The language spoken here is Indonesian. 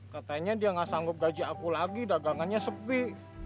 katanya dia nggak sanggup gaji aku lagi dagangannya sepi